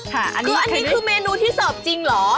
อันนี้คือเมนูที่เสิร์ฟจริงเหรอ